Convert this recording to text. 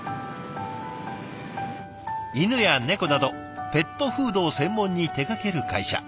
犬や猫などペットフードを専門に手がける会社。